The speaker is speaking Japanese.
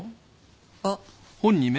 あっ。